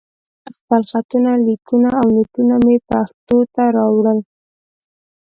خپل خطونه، ليکونه او نوټونه مې پښتو ته راواړول.